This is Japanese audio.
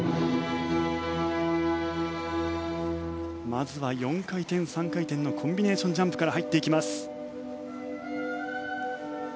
まずは４回転、３回転のコンビネーションジャンプから。